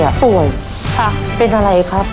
ค่ะเป็นอะไรครับ